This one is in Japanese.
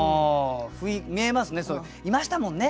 見えますねいましたもんね。